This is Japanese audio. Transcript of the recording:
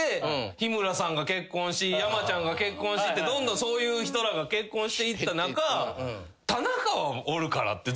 日村さんが結婚し山ちゃんが結婚しってどんどんそういう人らが結婚していった中。ってずっと僕は思ってた。